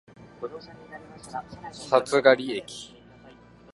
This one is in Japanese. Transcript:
札苅駅